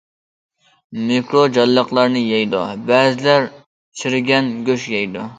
مىكرو جانلىقلارنى يەيدۇ، بەزىلىرى چىرىگەن گۆش يەيدۇ.